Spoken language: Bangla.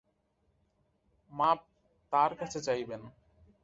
মাপ তাঁর কাছে চাইবেন।